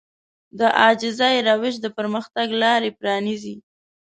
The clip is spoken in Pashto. د عاجزي روش د پرمختګ لارې پرانيزي.